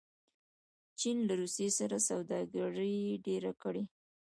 چین له روسیې سره سوداګري ډېره کړې.